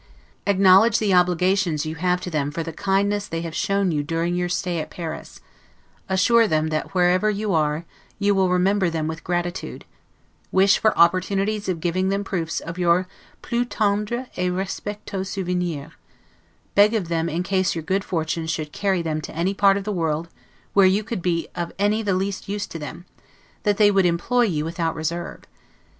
Acknowledge the obligations you have to them for the kindness they have shown you during your stay at Paris: assure them that wherever you are, you will remember them with gratitude; wish for opportunities of giving them proofs of your 'plus tendre et respectueux souvenir; beg of them in case your good fortune should carry them to any part of the world where you could be of any the least use to them, that they would employ you without reserve.